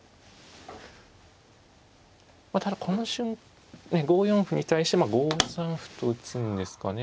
ただこの５四歩に対して５三歩と打つんですかね。